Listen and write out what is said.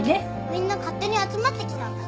みんな勝手に集まってきたんだ。